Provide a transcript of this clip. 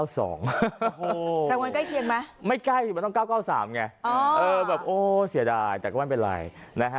รางวัลใกล้เคียงไหมไม่ใกล้สิมันต้อง๙๙๓ไงแบบโอ้เสียดายแต่ก็ไม่เป็นไรนะฮะ